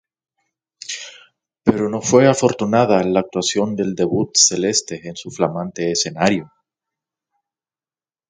Pero no fue afortunada la actuación del debut celeste en su flamante escenario.